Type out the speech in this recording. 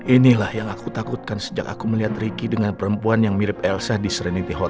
inilah yang aku takutkan sejak aku melihat ricky dengan perempuan yang mirip elsa di serinity hot